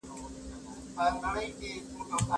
د حکومت او خلکو ترمنځ واټن سياسي ستونزي جوړوي.